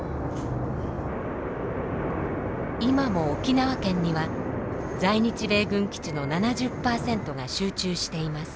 今も沖縄県には在日米軍基地の７０％が集中しています。